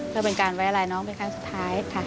เพื่อเป็นการไว้รายน้องไปขั้นสุดท้ายค่ะ